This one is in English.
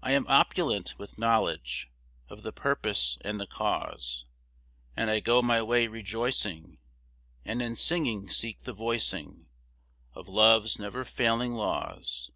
I am opulent with knowledge Of the Purpose and the Cause. And I go my way rejoicing, And in singing seek the voicing Of love's never failing laws.